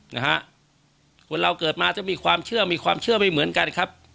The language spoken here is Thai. นะฮะคนเราเกิดมาจะมีความเชื่อมีความเชื่อไม่เหมือนกันครับ